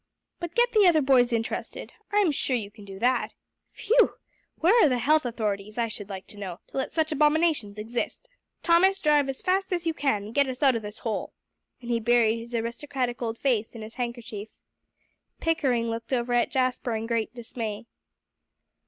But get the other boys interested. I'm sure you can do that. Phew! Where are the health authorities, I should like to know, to let such abominations exist? Thomas, drive as fast as you can, and get us out of this hole;" and he buried his aristocratic old face in his handkerchief. Pickering looked over at Jasper in great dismay.